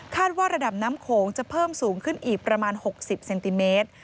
ว่าระดับน้ำโขงจะเพิ่มสูงขึ้นอีกประมาณ๖๐เซนติเมตร